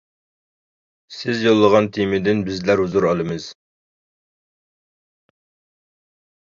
سىز يوللىغان تېمىدىن، بىزلەر ھۇزۇر ئالىمىز.